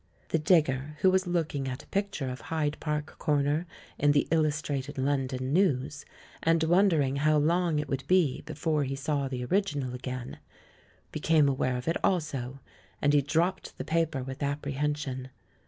The digger, who was looking at a picture of Hyde Park Corner in the Illustrated London News, and wondering how long it would be be fore he saw the original again, became aware of it also, and he dropped the paper with apprehen sion.